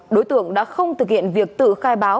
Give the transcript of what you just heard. đối tượng đã không thực hiện việc tự khai báo